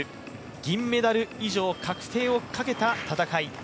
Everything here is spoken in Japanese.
銀メダル以上確定をかけた戦い。